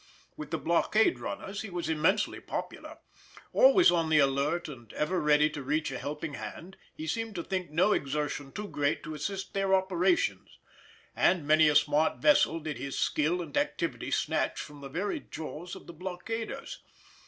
With the blockade runners he was immensely popular; always on the alert and ever ready to reach a helping hand, he seemed to think no exertion too great to assist their operations, and many a smart vessel did his skill and activity snatch from the very jaws of the blockaders.